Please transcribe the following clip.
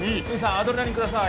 アドレナリンください